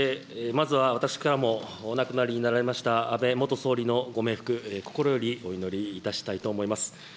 まずは私からもお亡くなりになられました、安倍元総理のご冥福、心よりお祈りいたしたいと思います。